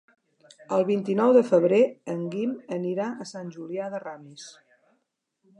El vint-i-nou de febrer en Guim anirà a Sant Julià de Ramis.